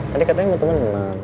tadi katanya mau temen temen